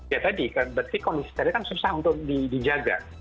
ya tadi berarti kondisi steril kan susah untuk dijaga